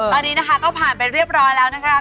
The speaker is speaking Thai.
ตอนนี้นะคะก็ผ่านไปเรียบร้อยแล้วนะคะ